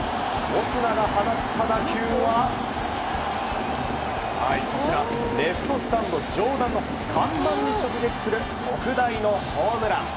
オスナが放った打球はレフトスタンド上段の看板に直撃する特大のホームラン。